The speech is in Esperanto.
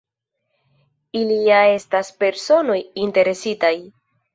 Ili ja estas personoj interesitaj.